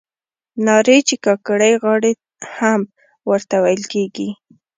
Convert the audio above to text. نارې چې کاکړۍ غاړې هم ورته ویل کیږي.